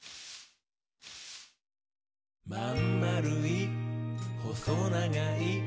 「まんまるい？ほそながい？」